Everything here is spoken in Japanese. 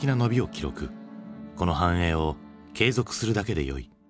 この繁栄を継続するだけでよい。